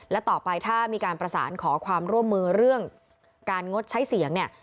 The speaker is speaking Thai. และต่อไปถ้ามีการประสานขอความร่วมมือเรื่องการงดใช้เสียงเนี่ย